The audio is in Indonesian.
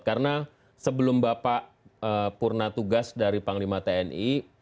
karena sebelum bapak purna tugas dari panglima tni